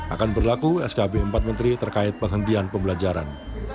akan berlaku skb empat menteri terkait penghentian pembelajaran